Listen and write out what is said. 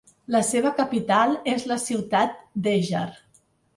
La seva capital és la ciutat d'Eger.